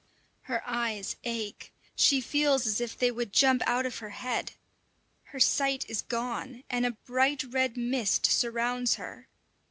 Her eyes ache; she feels as if they would jump out of her head. Her sight is gone, and a bright red mist surrounds her.